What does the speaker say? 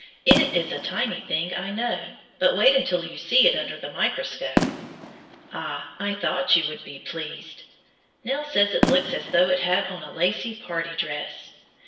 It is a tiny thing, I know, but wait until you see it under the microscope. Ah, I thought you would be pleased! Nell says it looks as though it had on a lace party dress.